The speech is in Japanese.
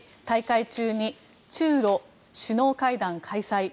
１大会中に中ロ首脳会談開催。